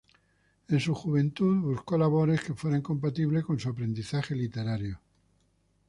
En su juventud, buscó labores que fueran compatibles con su aprendizaje literario.